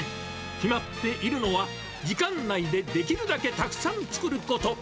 決まっているのは、時間内で、できるだけたくさん作ること。